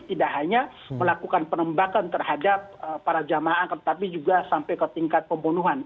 tidak hanya melakukan penembakan terhadap para jamaah tetapi juga sampai ke tingkat pembunuhan